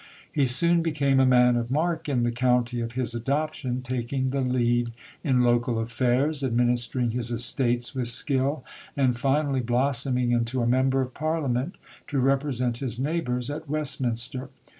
He soon became a man of mark in the county of his adoption, taking the lead in local affairs, administering his estates with skill, and finally blossoming into a Member of Parliament to represent his neighbours at Westminster.